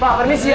pak permisi ya